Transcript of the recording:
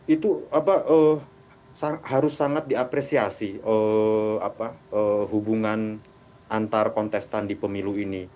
itu harus sangat diapresiasi hubungan antar kontestan di pemilu ini